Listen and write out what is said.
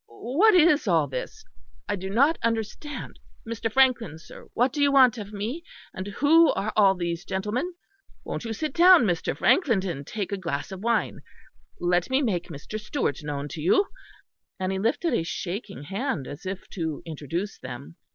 What is all this? I do not understand. Mr. Frankland, sir, what do you want of me? And who are all these gentlemen? Won't you sit down, Mr. Frankland and take a glass of wine. Let me make Mr. Stewart known to you." And he lifted a shaking hand as if to introduce them.